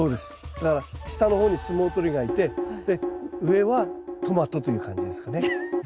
だから下の方に相撲取りがいてで上はトマトという感じですかね。